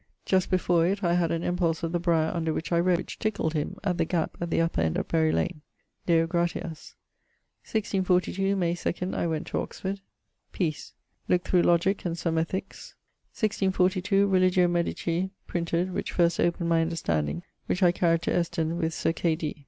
Just before it I had an impulse of the briar under which I rode, which tickled him, at the gap at the upper end of Berylane. Deo gratias! 1642, May 2ᵈ, I went[W] to Oxford. Peace. Lookt through Logique and some Ethiques. 1642, Religio Medici printed, which first opened my understanding, which I carryed to Eston, with Sir K.